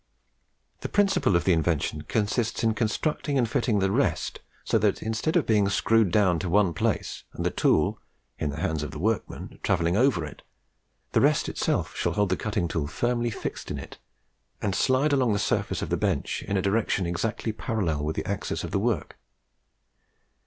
The principle of the invention consists in constructing and fitting the rest so that, instead of being screwed down to one place, and the tool in the hands of the workman travelling over it, the rest shall itself hold the cutting tool firmly fixed in it, and slide along the surface of the bench in a direction exactly parallel with the axis of the work.